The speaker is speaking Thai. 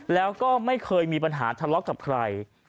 แล้วก็ไม่เคยมีปัญหาทะเลาะกับใคร